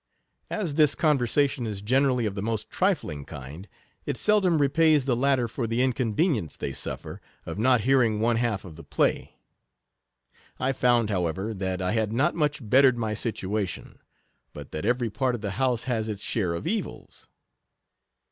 As this conver sation is generally of the most trifling kind, it seldom repays the latter for the inconve nience they suffer, of not hearing one half of the play. I found, however, that I had 27 not much bettered my situation; but that every part of the house has its share of evils.